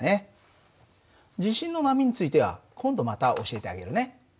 地震の波については今度また教えてあげるね。